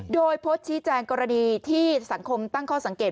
โดยโพสต์ชี้แจงกรณีที่สังคมตั้งข้อสังเกต